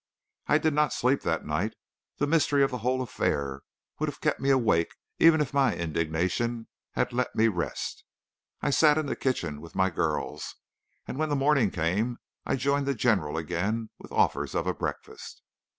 "I did not sleep that night; the mystery of the whole affair would have kept me awake even if my indignation had let me rest. I sat in the kitchen with my girls, and when the morning came, I joined the general again with offers of a breakfast.